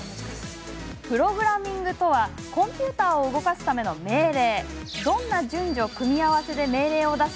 プログラミングとはコンピューターを動かすための命令。